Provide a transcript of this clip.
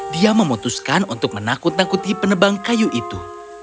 dia memutuskan untuk menakut nakuti penebang kayu itu